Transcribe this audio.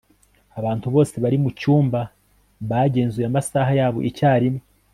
abantu bose bari mucyumba bagenzuye amasaha yabo icyarimwe